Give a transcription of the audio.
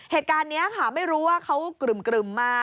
เหตุการณ์นี้ค่ะไม่รู้ว่าเขากรึ่มมา